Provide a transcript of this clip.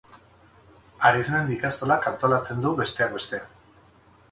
Arizmendi ikastolak antolatzen du, besteak beste.